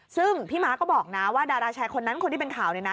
ซึ่งพี่ม้าก็บอกนะว่าดาราชายคนนั้นคนที่เป็นข่าวเนี่ยนะ